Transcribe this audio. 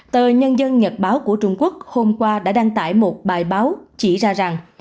tờ nhân dân nhật báo của trung quốc hôm qua đã đăng tải một bài báo chỉ ra rằng